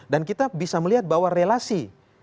dan kita bisa melihat bahwa relasi